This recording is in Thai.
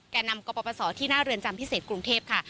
แก่นำกปศที่หน้าเรือนจำพิเศษกรุงเทพค่ะ